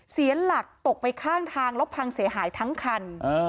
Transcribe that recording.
เสียหลักตกไปข้างทางแล้วพังเสียหายทั้งคัน